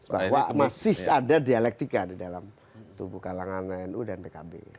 bahwa masih ada dialektika di dalam tubuh kalangan nu dan pkb